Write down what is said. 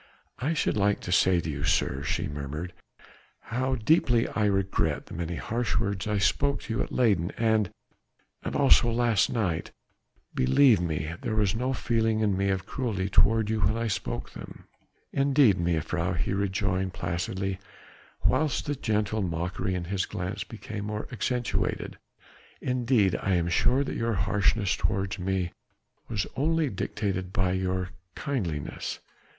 "I should like to say to you, sir," she murmured, "how deeply I regret the many harsh words I spoke to you at Leyden and ... and also last night ... believe me there was no feeling in me of cruelty toward you when I spoke them." "Indeed, mejuffrouw," he rejoined placidly, whilst the gentle mockery in his glance became more accentuated, "indeed I am sure that your harshness towards me was only dictated by your kindliness.